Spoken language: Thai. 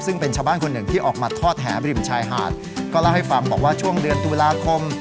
ซึ่งเป็นชาวบ้านคนหนึ่งที่ออกมาทอดแหบริมชายหาดก็เล่าให้ฟังบอกว่าช่วงเดือนตุลาคม